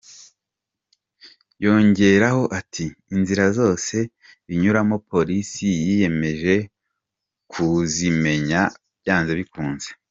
Yongeraho ati : ”Inzira zose binyuramo Polisi yiyemeje kuzimenya byanze bikunze”.